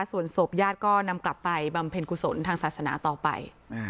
ส่วนศพญาติก็นำกลับไปบำเพ็ญกุศลทางศาสนาต่อไป